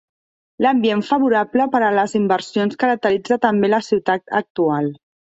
L'ambient favorable per a les inversions caracteritza també la ciutat actual.